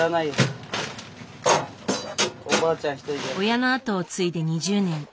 親の後を継いで２０年。